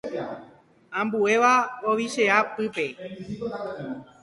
Ambuéva ovichea pype.